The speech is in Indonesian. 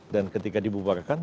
dan ketika dibubarkan